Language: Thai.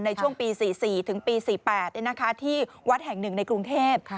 ในช่วงปี๔๔๑๘ที่วัดแห่ง๑ในกรุงเทพฯ